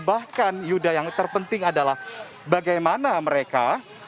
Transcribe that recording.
bahkan yuda yang terpenting adalah bagaimana mereka